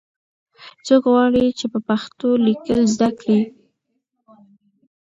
څوک غواړي چې په پښتو لیکل زده کړي؟